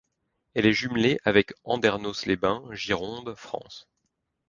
Elle est jumelée avec Andernos-les-Bains, Gironde, France.